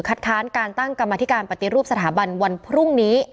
ค้านการตั้งกรรมธิการปฏิรูปสถาบันวันพรุ่งนี้